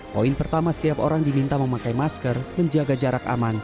poin pertama setiap orang diminta memakai masker menjaga jarak aman